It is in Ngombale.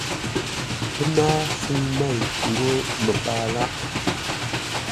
Pə náa fúŋ méi ńgó məpaa lâʼ.